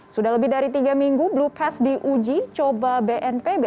sudah lebih dari tiga minggu blue pass diuji coba bnpb